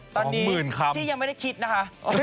สองหมื่นคำตอนนี้ที่ยังไม่ได้คิดนะคะ